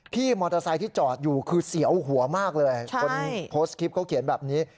พี่มอเตอร์ไซค์ที่จอดอยู่คือเสียวหัวมากเลยคนโพสต์คลิปเขาเขียนแบบนี้